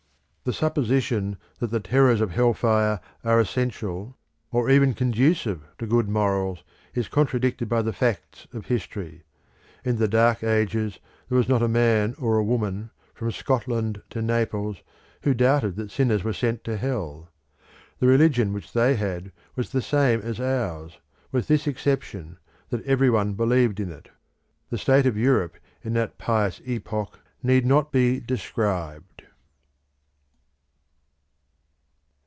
The supposition that the terrors of hell fire are essential or even conducive to good morals is contradicted by the facts of history. In the Dark Ages there was not a man or a woman, from Scotland to Naples, who doubted that sinners were sent to hell. The religion which they had was the same as ours, with this exception, that everyone believed in it. The state of Europe in that pious epoch need not be described.